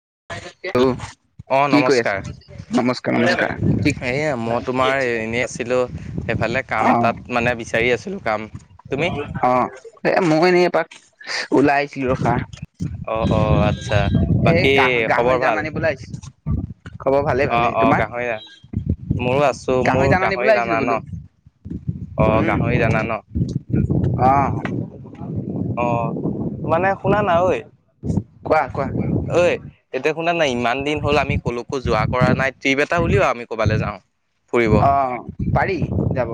[unintelligible] অ কৰি নমস্কাৰ, আছা? নমস্কাৰ নমস্কাৰ কি এইয়া মই তোমাৰ এনেই আছিলোঁ, ইফালে কাম এটাত মানে বিচাৰি আছিলোঁ কাম। তুমি অৱ, এই মও এনেই এপাক ওলাই আহিছিলো ৰখা। অ অ আচ্ছা, এই বাকী গাহ খবৰ গাহৰি জান ভাল? আনিবলৈ আহিছিলো খবৰ ভালে অ ভালে অ তোমাৰ গাহৰিয়া, মোৰ আছো মোৰ জান গাহৰি আনিবলৈ আহিছিলো দানা ন বোলো অ গাহৰি দানা ন অৱ অ, মানে শুনা না ঐ? কোৱা কোৱা। অই এতিয়া শুনা নাই ইমান দিন হ'ল আমি কলকো যোৱা কৰা নাই টিপ এটা উলিয়া আমি ক'বালৈ যাওঁ ফুৰিব। অ পাৰি যাব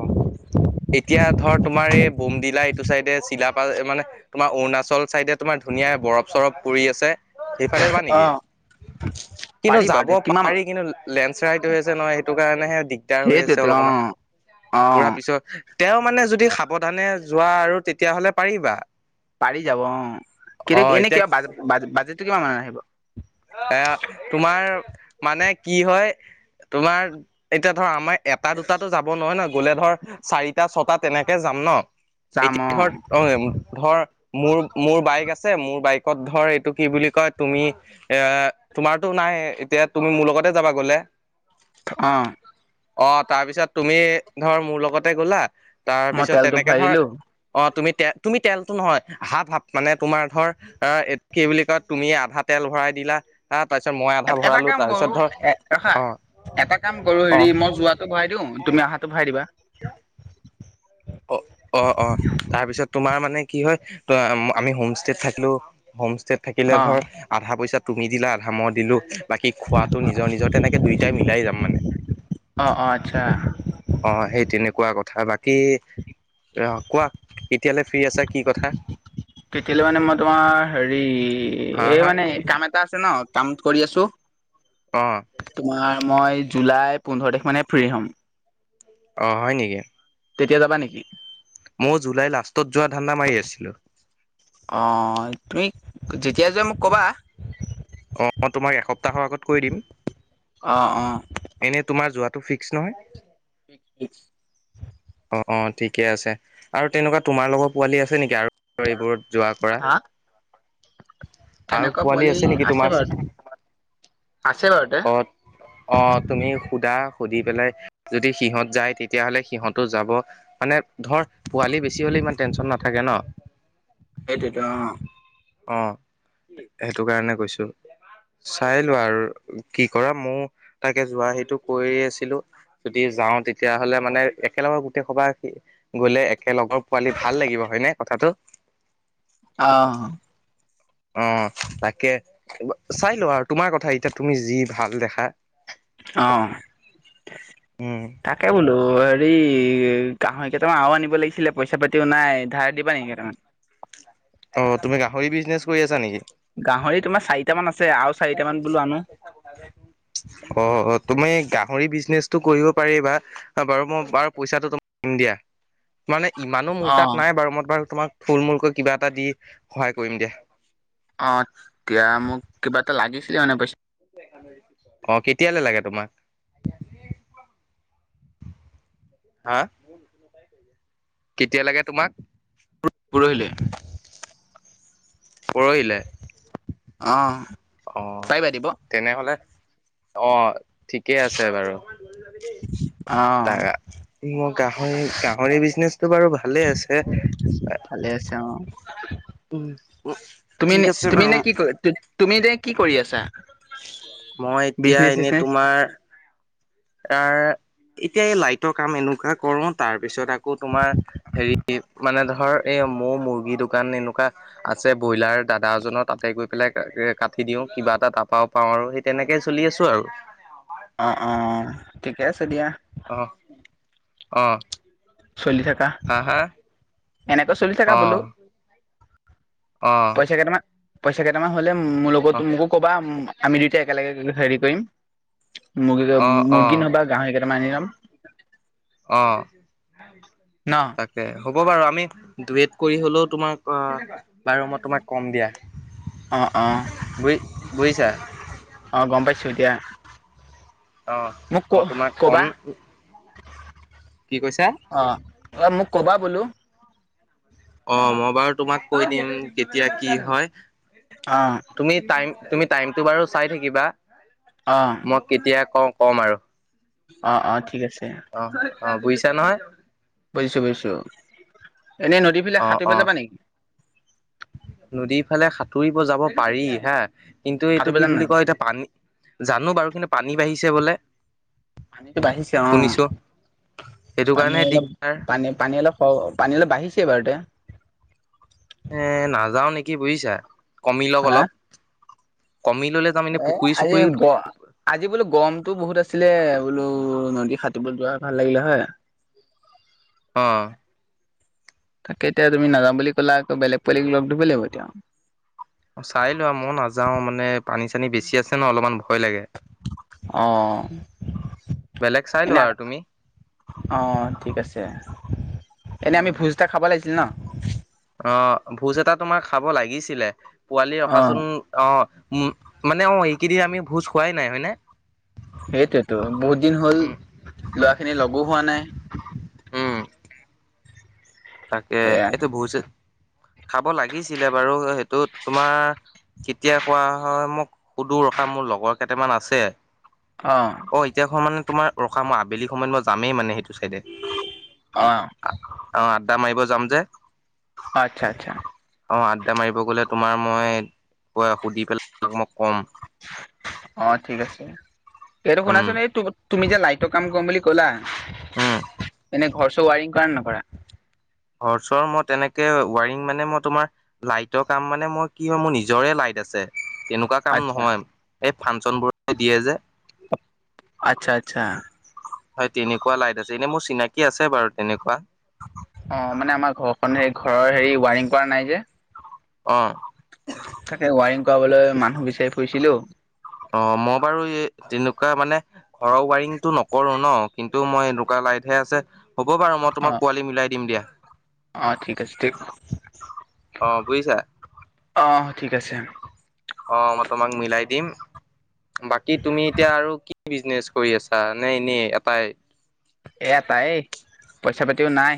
এতিয়া ধৰ তোমাৰ এই বোমডিলা এইটো চাইডে চিলা পাৰ মানে, তোমাৰ অৰুণাচল চাইডে তোমাৰ ধুনীয়া বৰফ চৰফ পৰি আছে, সেইফালে যাবা অ নেকি, কিন্তু পাৰি বাৰু যাব দে কিমান পাৰি কিন্তু লেণ্ড শ্লাইড হৈ আছে নহয়। সেইটো কাৰণেহে দিগদাৰ হৈ আছে সেইটোৱেতো অ অলপমান, অ পুৰা পিছত তেওঁ মানে যদি সাৱধানে যোৱা আৰু তেতিয়াহ'লে পাৰিবা। পাৰি যাব অ কিন্তু অ' এনে এতিয়া কিবা ব বাজেটটো কিমান মান আহিব। এ তোমাৰ মানে কি হয়। [inaudible] তোমাৰ এতিয়া ধৰা আমাৰ এটা, দুটাতো যাব নহয় ন গ'লে ধৰ চাৰিটা, ছটা তেনেকে যাম ন। যাম অ এতিয়া ধৰ অ ধৰ মোৰ মোৰ বাইক আছে, মোৰ বাইকত ধৰ এইটো কি বুলি কয় তুমি এ তোমাৰতো নাই এতিয়া তুমি মোৰ লগতে যাবা গলে। অৱ অ তাৰপিছত তুমি ধৰ মোৰ লগতে গ'লা, মই তাৰপিছত তেলটো তেনেকে ভৰাই ধৰ দিলো অ তুমি তে তুমি তেলটো নহয় হাফ হাফ মানে তোমাৰ ধৰ কি বুলি কয় তুমি আধা তেল ভৰাই দিলা তাত এটা কাম কৰো, এ ৰখা অ এটা কাম কৰো অ হেৰি মই যোৱাতটো ভৰাই দিওঁ তুমি অহাতটো ভৰাই দিবা। [unintelligible] অ অৱ অৱ তাৰপিছত তোমাৰ মানে কি হয় ত আমি হোম ষ্টেত থাকিলো, হোম ষ্টেত থাকিলে অ ধৰ আধা পইচাত তুমি দিলা আধা মই দিলো, বাকী খোৱাাতটো নিজৰ নিজৰ তেনেকে দুয়টাই মিলাই যাম মানে। অ অ আচ্ছা অ সেই তেনেকুৱা কথা বাকী। কী অহ কোৱা কেতিয়ালৈ ফ্ৰী আছা কি কথা। তেতিয়ালৈ মানে মই তোমাৰ হেৰি। হেৰি হা এই হা মানে কাম এটা আছে ন, কাম কৰি আছো। অ তোমাৰ মই জুলাই পোন্ধৰ তাৰিখ মানে ফ্ৰী হ'ম। অ হয় নেকি? তেতিয়া যাবা নেকি? মই জুলাই লাষ্টত যোৱা ধান্দা মাৰি আছিলো। যেতিয়া যোৱা মোক ক'বা। অ তোমাক এসপ্তাহৰ আগত কৈ দিম, অ অ এনে তোমাৰ যোৱা। টো ফিক্স নহয়? Fix fix. অ অ ঠিকে আছে আৰু তেনেকুৱা তোমাৰ লগৰ পোৱালি আছে নেকি আৰু। ৰিবোৰত যোৱা কৰা। হা আৰু তেনেকুৱা পোৱালি নেকি আছে তোমাৰ বাৰু আছে বাৰু। অ অ তুমি। সুদা সুধি পেলাই যদি সিহঁত যায় তেতিয়াহ'লে সিহঁতো যাব মানে ধৰ পোৱালি। বেছি হ'লে ইমান টেনশন নাকে ন। সেইটোতো অ সেইটো কাৰণে কৈছো চাই লোৱা আৰু। কি কৰা ময় তাকে যোৱা সেইটো কৰি আছিলো। যদি যাওঁ তেতিয়াহলে মানে একেলগৰ গোটেই সভা গলে। এক লগৰ পোৱালি ভাল লাগিব হয়নে কথাটো। অঁ। অ তাকে চাই লোৱা আৰু তোমাৰ কথা এতিয়া তুমি যি ভাল দেখা। অ উম, তাকে বোলো। অ হেৰি গাহৰি কেইটামান আৰু আনিব লাগিছিলে পইচা পাতিও নাই ধাৰ দিবা নেকি কেইটামান। [unintelligible] অ তুমি গাহৰি বিজনেচ কৰি আছা নেকি? গাহৰি তোমাৰ চাৰিটা মান আছে। আৰু অ চাৰিটা মান তুমি বোলো আনো। গাহৰি। হৰি বিজনেচটো কৰিব পাৰি বাা বাৰু মই বাৰু পইচাটো তমাক নিম দিয়া মানে। ইমানো মূোৰ অ', তাত নাই বাৰু মই বাৰু তোমাক ফুল মূলকৈ কিবা এটা দি সহায় কৰিম দিয়া। অ এতিয়া মোক কিবা এটা লাগিছিলে মানে পইচা। অ কেতিয়ালৈ লাগে তোমাক। হা। কেতিয়া লাগে তোমাক। পৰহিলে। পৰহিলে অ'। আহ পাৰিবা দিব? তেনেহলে। অ ঠিকেই আছে বাৰু। তাৰা অহঁ। মোৰ গাহৰি গাহৰি বিজনেচটো বাৰু ভালে আছে। ভালে আছে অ'। উম। তুমি ঠিক নে আছে তুমি বাৰু নে কি কৰি তুমি যে কি কৰি আছা। মই এতিয়া বিজনেচ এনেই চিজনেচ। তোমাৰ। এ এতিয়া এই লাইটৰ কাম এনেকুৱা কৰো তাৰ পিছত আকৌ। আকৌ তোমাৰ হেৰি। মানে ধৰ এই মৌ মুৰ্গী দোকান এনেকুৱা আছে ব্ৰইলাৰ দাদা এজনৰ তাতে গৈ পেলাই। কাটি দিও কিবা এটা তাৰপাও পাওঁ আৰু সেই তেনেকেই চলি আছো আৰু। অ অ অ ঠিকে আছে দিয়া। অ অহ। চলি থাকা ।এনেকৈ চলি থাকা অ বোলো। অ পইচা কেইটামান পইচা কেইটামান হলে মোৰ লগতো মোকো কবা। আমি দুয়টাই একেলগে গৈ হেৰি কৰিম । মুৰ্গীটো অ অ অ মুৰ্গী নহবা গাহৰি কেইটামে আনি লম। অ ন তাকে হ'ব বাৰু আমি। ডৱেইট কৰি হ'লেও তোমাক বাৰু তোমাক কম দিয়া। অ অ বুজি বুজিছা আহ গম পাইছো এতিয়া। অ মোক ক মই তোমাক কম। ক'বা কি কৈছা? অ অ মোক ক'বা বোলো। অ মই বাৰু তোমাক কৈ দিম কেতিয়া কি হয়। অ তুমি টাইম তুমি টাইমতটো বাৰু চাই থাকিবা। অ মই কেতিয়া কওঁ কম আৰু। অ অ ঠিক আছে। অ', অ বুজিছা নহয়। বুজিছো বুজিছো এনেই নদী ফালে অ', সাতুৰিব অ'। যাবা নেকি? নদীৰ ফালে সাঁতুৰিব যাব পাৰি হা কিন্তু এইটো সাঁতুৰিব কি জানা বুলি নাই কয় ।এতিয়া পানী জানো বাৰু কিন্তু পানী বাঢ়িছে বোলে। পানীতো বাঢ়িছে অ শুনিছোঁ সেইটো পানী কাৰণে অলপ দিগদাৰ পানী পানী অলপ পানী অলপ বাঢ়িছে বাঢ়োতে। এ নাযাও নেকি বুজিছা ।কমি লওক হা অলপ কমি ললে যাম এনে এ পুখুৰী আজি চুখুৰীত আজি বোলো গমটো বহুত আছিলে। বোলো নদী সাতোইব যোৱা ভাল লাগিলে হয়। অহ। তাকে এতিয়া তুমি নাযাম বুলি ক'লা আকৌ বেলেগ পোৱালি লগ ধৰিব লাগিব এতিয়া চাই লোৱা মই নাযাও মানে পানী বেছি আছে ন অলমান। অহ। বেলেগ চাই লোবা আৰু তুমি অ ঠিক আছে এনে আমি অ'। ভোজ এটা খাব লাগিছিল ন? অ ভোজ এটা তোমাৰ খাব লাগিছিলে পোৱালি অ ৰখাচোন অ উ মানে অ এইকেইদিন আমি ভোজ খোৱাই নাই হয়নে? সেইটোতো বহুত দিন হ'ল উম। লৰা খিনি লগো হোৱা নাই। উম, [unintelligible] তাকে এতো ভোছে। উ খাব লাগিছিলে বাৰু সেইটোত তোমাৰ কেতিয়া খোৱা হয় মোক সুধো ৰখা মোৰ লগৰ কেইটামান আছে। অ এতিয়া খোৱা মানে তোমাৰ ৰখা মই আবেলি সময়ত মই যামেই মানে সেইটো ছাইদে অ আ অ আড্ডা মাৰিব যাম যে। আচ্ছা আচ্ছা অ আড্ডা মাৰিব গ'লে। তোমাৰ মই সুধি পেলাই তাক মই ক'ম। অ ঠিক আছে এইটো উম, শুনাচোন এই তুমি যে লাইক। টো কাম কম বুলি ক'লা। উম এনে ঘৰ চৰ ৱাৰিং কৰা নে নকৰা। ঘৰ চৰ মই তেনেকে ৱাৰিং মানে মই তোমাৰ লাইটৰ কাম মানে মই কি হয়। মোৰ নিজৰে লাইট আছে তেনেকুৱা কাম আচ্ছা নহয় এই ফাংচন বোৰ দিয়ে যে। আচ্ছা আচ্ছা। হয় তেনেকুৱা লাইট আছে এনে মোৰ চিনাকি আছে বাৰু তেনেকুৱা অ মানে আমাৰ ঘৰখন হ ঘৰৰ হেৰি ৱাৰিং কৰা নাই যে। অ তাকে ৱাৰিং কৰাবলৈ মানুহ বিচাৰি ফুৰিছিলো অ মই বাৰু এই তেনেকুৱা মানে ঘৰ ৱাৰিংটো নকৰো ন কিন্তু মই এনেকুৱা লাইট । হে আছে হ'ব বাৰু মই অ তোমাক পোৱালি মিলাই দিম দিয়া । অ ঠিক আছে দ অ বুজিছা অ ঠিক আছে । অ মই তোমাক মিলাই দিম । বাকী তুমি এতিয়া আৰু কি বিজনেচ কৰি আছা নে এনে এটাই এটাই পইচা পাতিও নাই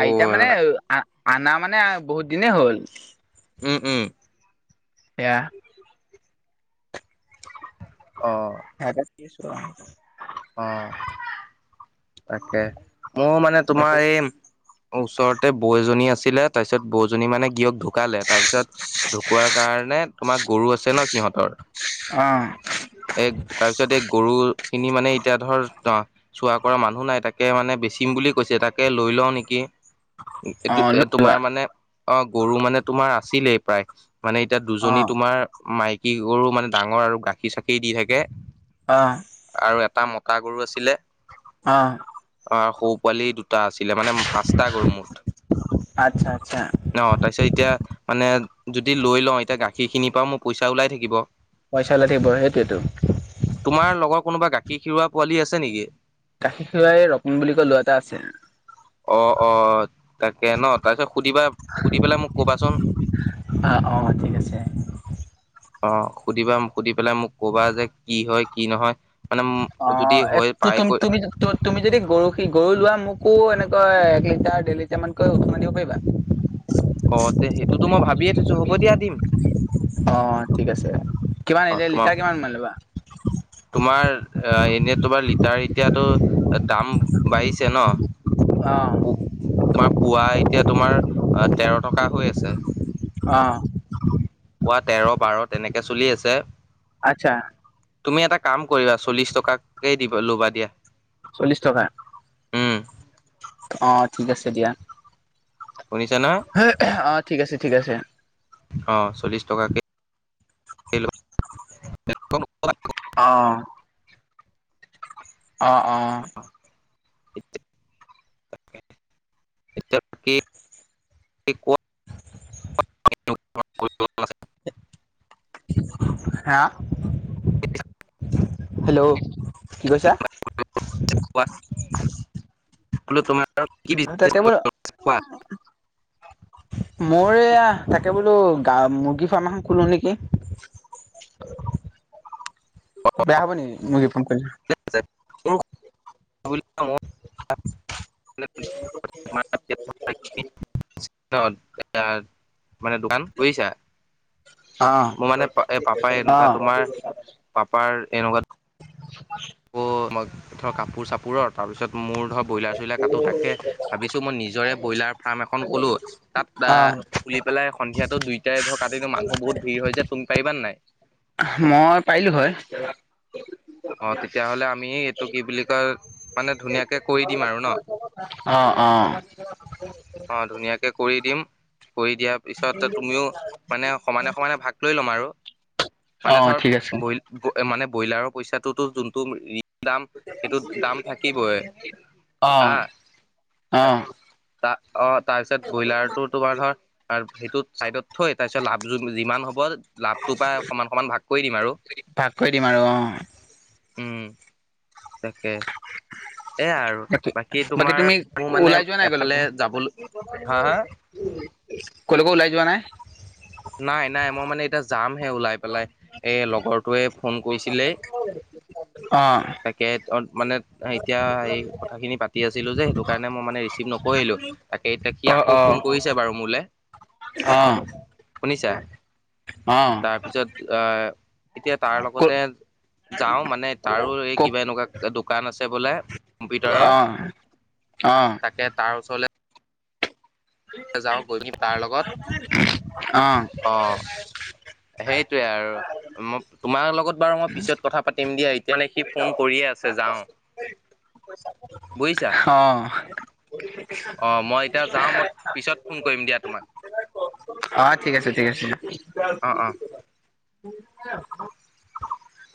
অ মানে আ অনা মানে বহুত দিনেই হ'ল উম উম এয়া অ হেয়াকে কৰি আছো আও অ তাকে মোৰ মানে তোমাৰ এই ওচৰতে বও এজনী আছে। ছিল তাৰ পিছত বও জনী মানে গিৰিয়েক ঢুকালে। তাৰপিছত ঢুকোৱাৰ কাৰণে তোমাৰ গৰু আছে ন সিহঁতৰ অ এ, তাৰ পিছত এ গৰু খিনি মানে এতিয়া ধৰ অ চোৱা-কৰা মানুহ নাই তাকে মানে বেচিম বুলি কৈছে। তাকে লৈ লও নেকি? অ এ, তোমাৰ লোৱা মানে অ, গৰু মানে তোমাৰ আছিলেই প্ৰায়। মানে এতিয়া দুজনী অ তোমাৰ মাইকী গৰু মানে ডাঙৰ আৰু গাখীৰ চাখি দি থাকে। আহ। আৰু এটা মতা গৰু আছিলে হ। আৰু সৰু পোৱালি দুটা আছিল। লে মানে, পাঁচটা কৰো মুঠ। আচ্ছা, আচ্ছা ন তাৰপিছত এতিয়া মানে, যদি লৈ লওঁ এতিয়া গাখীৰখিনিৰ পৰাও মোৰ পইচা ওলাই থাকিব। পইচা ওলাই থাকিব সেইটোৱে তো। তোমাৰ লগৰ কোনোবা গাখীৰ-খিৰোৱা পোৱালি আছে নেকি? গাখীৰ খীৰোৱা ৰকন বুলি কয় লৰা এটা আছে। অ, অ। তাকে ন তাৰপিছত সুধিবা সুধি পেলাই মোক কবাচোন। অ', অ', ঠিক আছে। অ'সুধিবা সুধি পেলাই মোক কবা যে কি হয় কি নহয়। মানে যদি হয় অ' পায়কৈ তুমি, তুমি যদি গৰু সি গৰু লোৱা মোকো এনে কয় এক লিজাৰ দে লিজাৰ মানকৈ ষমাই দিব পাৰিবা। অ, তে সেইটোতো মই ভাবিয়ে থৈছো হ'ব দিয়া দিম। অ', ঠিক আছে। কিমান অ' এতিয়া তোমাৰ, লিটাৰ কিমান মান ল'বা? তোমাৰ। অ' এনেই তোমাৰ লিটাৰ এতিয়াতো দাম বাঢ়িছে ন। অ'। তোমাৰ পুৱা এতিয়া তোমাৰ তেৰ টকা হৈ আছে। আহ। পুৱা তেৰ, বাৰ তেনেকে চলি আছে। আচ্ছা। তুমি এটা কাম কৰিবা চল্লিশ টকাকেই দিবা ল'বা দিয়া। চল্লিশ টকা, উম অ 'ঠিক আছে দিয়া। শুনিছা নহয় হ, অ' ঠিক আছে, ঠিক আছে। অ' চল্লিশ টকা অ। অ, অ। এ, কি? ক [unintelligible] [inaudible] হা। হেল্ল' কি কৈছা? তাতে বোলো তোমাৰ মই এয়া তাকে বোলো গা মুৰ্গী ফাৰ্ম এখন খোলো নেকি? বেয়া হ'ব নেকি মুগী ফাম খুলিলে? অ'। [inaudible] ন মানে দোকান বুজিছা? অঁ মোৰ মানে প এ পাপাই এনেকুৱা অঁ তোমাৰ পাপাৰ আকৌ মই ধৰ কাপোৰ-চাপোৰৰ তাৰপিছত মোৰ ধৰ ব্ৰইলাৰ-চইলাৰ কাটোঁ। তাকে ভাবিছোঁ মই নিজৰে ব্ৰইলাৰ ফাৰ্ম এখন খুলো ।তাত অঁ তুলি পেলাই সন্ধিয়াটো দুইটাই ধৰ কাটিলো মানুহ বহুত ভিৰ হৈ যে তুমি পাৰিবা নাই? মই পাৰিলোঁ হয়। অ' তেতিয়াহ'লে আমি এইটো কি বুলি কয় মানে ধুনীয়াকে কৰি দিম আৰু ন। অ' অ'। অ' ধুনীয়াকে কৰি দিম। কৰি দিয়াৰ পিছত তুমিও মানে সমানে সমানে ভাগ লৈ লম আৰু। মানে অঁ ধৰ ঠিক আছে মানে ব্ৰইলাৰৰ পইচাটোতো যোনটো। দাম সেইটোত দাম থাকিবই অঁ হা। অঁ ত অ' তাৰপিছত ব্ৰইলাৰটো তোমাৰ ধৰ সেইটো চাইডত। থৈ তাৰপিছত লাভ যিমান হ'ব লাভটো পাই সমান সমান ভাগ কৰি দিম আৰু। ভাগ কৰি দিম আৰু অ'। উম তাকেই। বাকী তুমি মোৰ মানে ওলাই যোৱা নাই এফালে কলৈকো। যাবলৈ হা হা কলৈকো ওলাই যোৱা নাই। নাই নাই মই মানে এতিয়া যামহে ওলাই পেলাই এ লগৰটোৱে ফোন। কৈছিলে অঁ তাকে মানে। এতিয়া সেই কথাখিনি পাতি আছিলোঁ যে, সেইটো কাৰণে মই মানে ৰিচিভ নকৰিলোঁ তাকে এতিয়া সি আকৌ। ফোন কৰিছে বাৰু মোলে। অ'। শুনিছা তাৰপিছত অহ। এতিয়া তাৰ ক লগতে যাওঁ মানে তাৰো এই ক কিবা এনেকুৱা দোকান আছে বোলে। কম্পিউটাৰৰ অঁ অঁ তাকে তাৰ ওচৰলে। যাওঁ গৈ কিনি তাৰ লগত অঁ অ'। সেইটোৱেই আৰু মই তোমাৰ লগত বাৰু মই পিছত কথা পাতিম দিয়া। মানে সি ফোন কৰিয়ে আছে যাওঁ বুজিছা। অঁ অ' মই এতিয়া যাওঁ মই পিছত ফোন কৰিম দিয়া তোমাক। অ' ঠিক আছে ঠিক আছে। অ অ